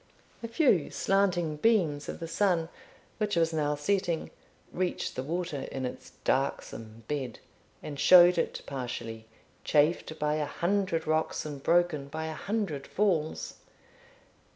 A few slanting beams of the sun, which was now setting, reached the water in its darksome bed, and showed it partially, chafed by a hundred rocks and broken by a hundred falls.